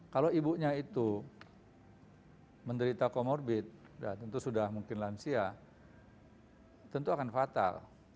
kalau ibunya itu menderita comorbid tentu sudah mungkin lansia tentu akan fatal